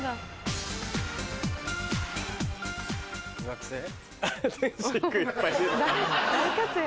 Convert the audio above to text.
学生？